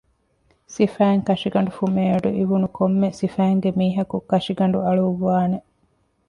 ސިފައިން ކަށިގަނޑު ފުމޭ އަޑު އިވުނު ކޮންމެ ސިފައިންގެ މީހަކު ކަށިގަނޑު އަޅުއްވާނެ